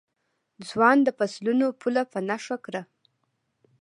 ځوان د فصلونو پوله په نښه کړه.